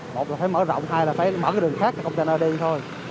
một là phải mở rộng hai là phải mở cái đường khác cái container đi thôi